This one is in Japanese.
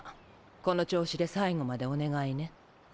この調子で最後までお願いね。